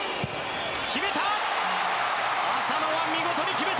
決めた！